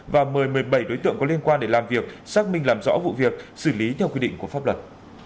và mời một mươi bảy đối tượng có liên quan để làm việc xác minh làm rõ vụ việc xử lý theo quy định của pháp luật